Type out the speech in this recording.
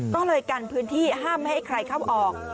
ก็เลยกันพื้นที่ห้ามไม่ให้ใครเข้าออก